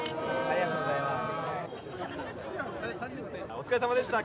お疲れさまでした。